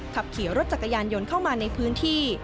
ขับขี่รถจักรยานยนต์เข้ามาในพื้นที่